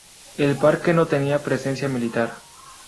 El parque no tenía presencia militar.